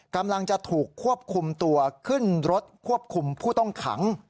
กำลังจะถูกควบคุมตัวขึ้นรถควบคุมผู้ต้องขัง